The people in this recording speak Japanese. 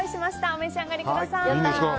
お召し上がりください。